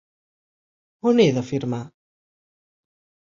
On he de firmar?